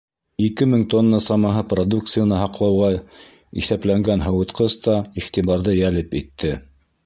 Ике мең тонна самаһы продукцияны һаҡлауға иҫәпләнгән һыуытҡыс та иғтибарҙы йәлеп итте.